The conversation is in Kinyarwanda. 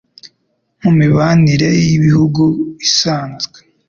mu mibanire y'ibihugu isanzwe